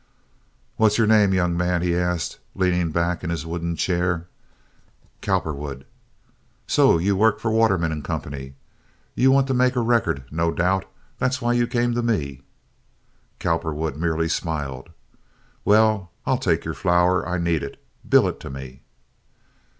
"What's your name, young man?" he asked, leaning back in his wooden chair. "Cowperwood." "So you work for Waterman & Company? You want to make a record, no doubt. That's why you came to me?" Cowperwood merely smiled. "Well, I'll take your flour. I need it. Bill it to me."